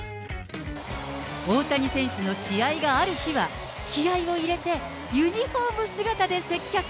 大谷選手の試合がある日は、気合いを入れて、ユニホーム姿で接客。